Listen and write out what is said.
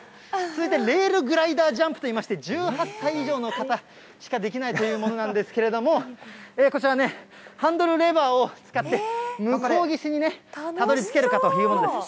続いてレールグライダージャンプといいまして、１８歳以上の方しかできないというものなんですけれども、こちらね、ハンドルレバーを使って、向こう岸にたどりつけるかというものです。